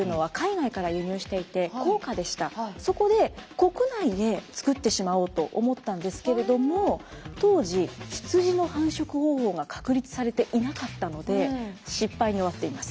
当時このそこで国内で作ってしまおうと思ったんですけれども当時羊の繁殖方法が確立されていなかったので失敗に終わっています。